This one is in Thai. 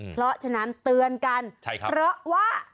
เพราะฉะนั้นเตือนกันเพราะว่า